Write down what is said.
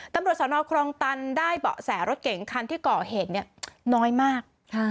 ตำรวจสนครองตันได้เบาะแสรถเก๋งคันที่ก่อเหตุน้อยมาก